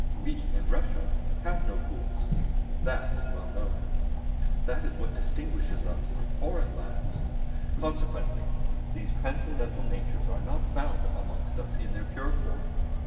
We, in Russia, have no fools; that is well known. That is what distinguishes us from foreign lands. Consequently these transcendental natures are not found amongst us in their pure form.